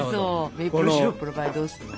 メープルシロップの場合どうするの？